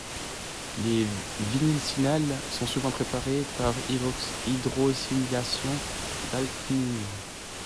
Les vinylsilanes sont souvent préparés par hydrosilylation d'alcynes.